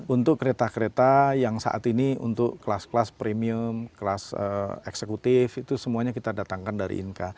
untuk kereta kereta yang saat ini untuk kelas kelas premium kelas eksekutif itu semuanya kita datangkan dari inka